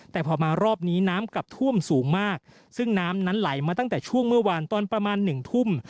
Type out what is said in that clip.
แต่พอมารอบนี้น้ำกลับท่วมสูงมากซึ่งน้ำนั้นไหลมาตั้งแต่ช่วงเมื่อวานตอนประมาณหนึ่งทุ่ม